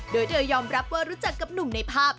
โดยเธอยอมรับว่ารู้จักกับหนุ่มในภาพ